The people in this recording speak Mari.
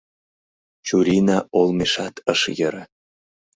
Чурийна олмешат ыш йӧрӧ.